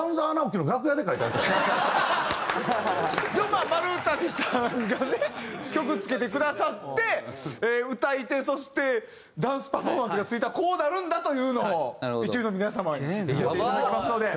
だってあれでも丸谷さんがね曲つけてくださって歌い手そしてダンスパフォーマンスがついたらこうなるんだというのを一流の皆様に見せていただきますので。